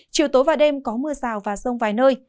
chiều tối và đêm có mưa sào và sông vài nơi